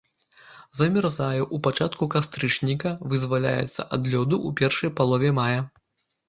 Замярзае ў пачатку кастрычніка, вызваляецца ад лёду ў першай палове мая.